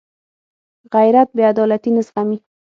غیرت بېعدالتي نه زغمي